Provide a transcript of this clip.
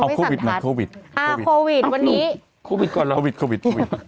เอาโควิดหน่อยโควิดอ่าโควิดวันนี้โควิดก่อนโควิดโควิด